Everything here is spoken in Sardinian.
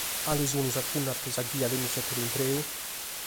Cale sunt sas punnas de sa ghia de unu setore intreu?